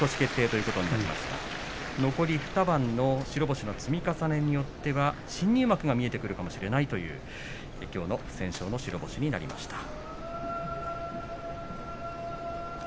残り２番の白星の積み重ねによっては新入幕が見えてくるかもしれないというきょうの不戦勝の白星となりました。